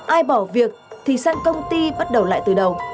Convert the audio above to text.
ai bỏ việc thì sang công ty bắt đầu lại từ đầu